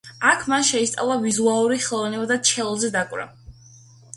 აქ მან შეისწავლა ვიზუალური ხელოვნება და ჩელოზე დაკვრა.